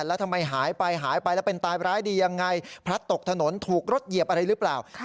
แล้วทำไมหายไปหายไปแล้วเป็นตายร้ายดียังไงพลัดตกถนนถูกรถเหยียบอะไรหรือเปล่า